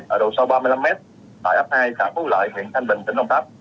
ở đầu sâu ba mươi năm mét tại ấp hai xã phú lợi huyện thanh bình tỉnh đồng tháp